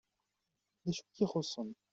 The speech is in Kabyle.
D acu i k-ixuṣṣen?